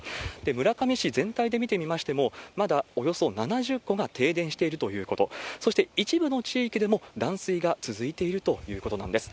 村上市全体で見てみましても、まだおよそ７０戸が停電しているということ、そして、一部の地域でも断水が続いているということなんです。